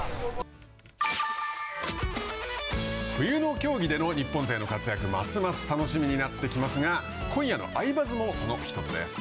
冬の競技での日本勢の活躍ますます楽しみになってきますが今夜の「アイバズ」もその１つです。